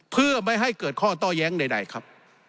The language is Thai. เพื่อไม่ให้เกิดข้อต้อแย้งใดครับ